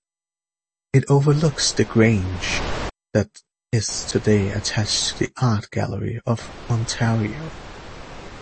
It overlooks The Grange that is today attached to the Art Gallery of Ontario.